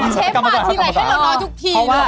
เชฟมาทีไรให้เรานอนทุกที